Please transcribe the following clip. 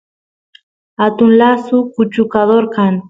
atun lasu kuchukador kan